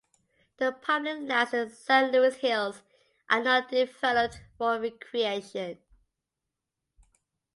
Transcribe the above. The public lands in the San Luis Hills are not developed for recreation.